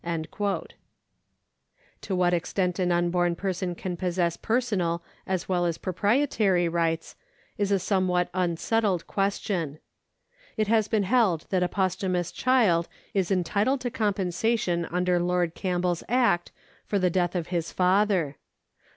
^ To what extent an unborn person can possess personal as well as proprietary rights is a somewhat unsettled question. It has been held that a posthumous child is entitled to compensation under Lord Campbell's Act for the death of his father.